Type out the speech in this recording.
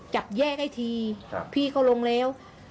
จับแยกให้ทีพี่เขาลงแล้ว